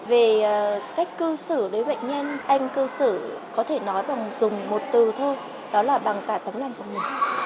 về cách cư xử đối với bệnh nhân anh cư xử có thể nói bằng dùng một từ thôi đó là bằng cả tấm lòng của mình